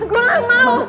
gue gak mau